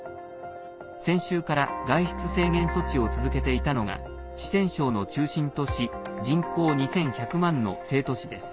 先週から外出制限措置を続けていたのが四川省の中心都市人口２１００万の成都市です。